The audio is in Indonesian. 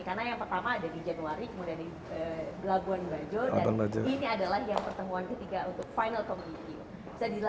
karena yang pertama ada di januari kemudian di gelaguan bajo dan ini adalah yang pertemuan ketiga untuk final committee